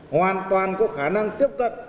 hoàn toàn có khả năng tiếp cận